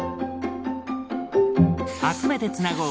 集めてつなごう